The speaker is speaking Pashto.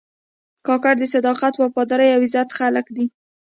کاکړ د صداقت، وفادارۍ او عزت خلک دي.